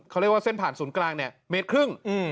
เขาเรียกว่าเส้นผ่านศูนย์กลางเนี่ยเมตรครึ่ง